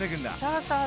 そうそう。